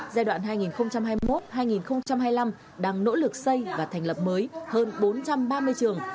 giai đoạn hai nghìn hai mươi một hai nghìn hai mươi năm đang nỗ lực xây và thành lập mới hơn bốn trăm ba mươi trường